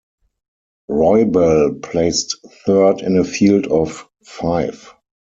Roybal placed third in a field of five.